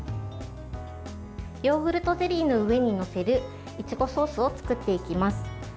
ヨーグルトゼリーの上に載せるいちごソースを作っていきます。